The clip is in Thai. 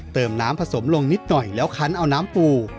เติมน้ำผสมลงนิดหน่อยแล้วคันเอาน้ำปู